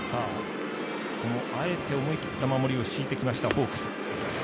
あえて思い切った守りをしてきましたホークス。